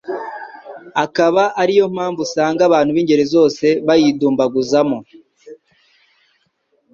akaba ari yo mpamvu usanga abantu b'ingeri zose bayidumbaguzamo,